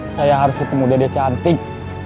saya harus ketemu dede cantik